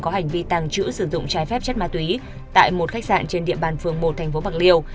có hành vi tàng trữ sử dụng trái phép chất ma túy tại một khách sạn trên địa bàn phường một tp bạc liêu